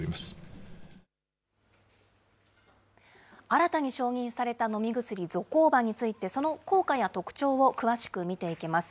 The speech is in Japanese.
新たに承認された飲み薬、ゾコーバについて、その効果や特長を詳しく見ていきます。